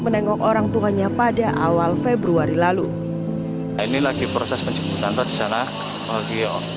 menengok orangtuanya pada awal februari lalu ini lagi proses pencubutan tadi sana lagi